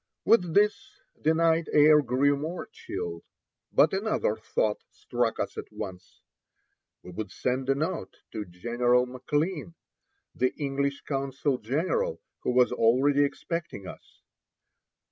With this the night air grew more chill. But another thought struck us at once. We would send a note to General McLean, the English consul general, who was already expecting us.